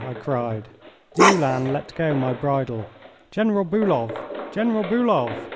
I cried. The Uhlan let go my bridle. "General Bulow! General Bulow!"